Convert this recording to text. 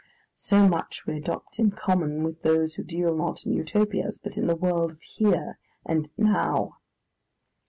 So much we adopt in common with those who deal not in Utopias, but in the world of Here and Now.